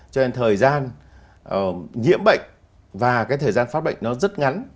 cho nên thời gian nhiễm bệnh và cái thời gian phát bệnh nó rất ngắn